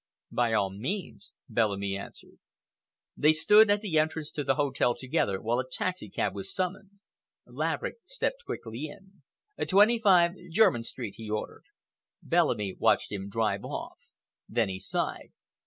"By all means," Bellamy answered. They stood at the entrance to the hotel together while a taxicab was summoned. Laverick stepped quickly in. "25, Jermyn Street," he ordered. Bellamy watched him drive off. Then he sighed.